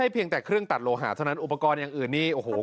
เพียงแต่เครื่องตัดโลหาเท่านั้นอุปกรณ์อย่างอื่นนี่โอ้โห